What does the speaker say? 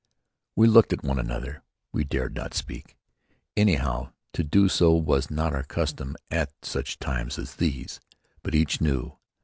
We looked at one another. We dared not speak. Anyhow, to do so was not our custom at such times as these. But each knew.